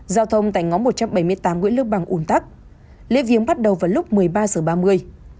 giao thông tại ngõ một trăm bảy mươi tám nguyễn lương bằng ủn tắc lễ viếng bắt đầu vào lúc một mươi ba h ba mươi